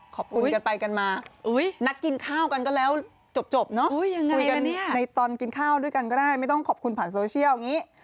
ขอบคุณกันไปกันมานัดกินข้าวกันก็แล้วจบเนอะคุยกันในตอนกินข้าวด้วยกันก็ได้ไม่ต้องขอบคุณผ่านโซเชียลอย่างนี้